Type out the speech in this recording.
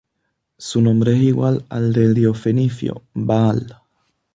Su nombre es igual al del dios fenicio, Baal.